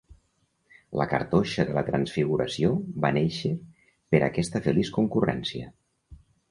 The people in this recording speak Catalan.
La Cartoixa de la Transfiguració va néixer per aquesta feliç concurrència.